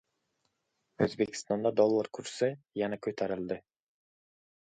O‘zbekistonda dollar kursi yana ko‘tarildi